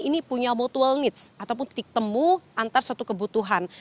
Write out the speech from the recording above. ini punya mutual needs ataupun titik temu antar suatu kebutuhan